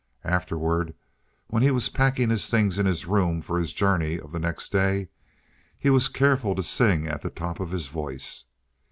Afterward, when he was packing his things in his room for his journey of the next day, he was careful to sing at the top of his voice.